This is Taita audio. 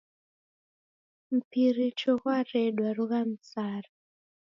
Mpiricho ghwaredwa, rugha msara.